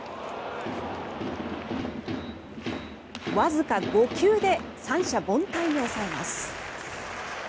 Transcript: わずか５球で三者凡退に抑えます。